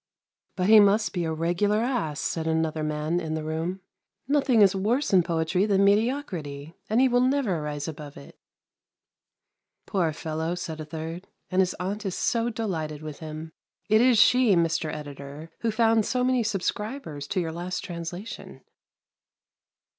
But he must be a regular ass! ' said another man in the room; ' nothing is worse in poetry than mediocrity, and he will never rise above it.' Poor fellow! ' said a third, ' and his aunt is so delighted with him; it is she, Mr. Editor, who found so many subscribers to your last translation.'